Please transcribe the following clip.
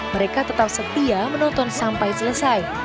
mereka tetap setia menonton sampai selesai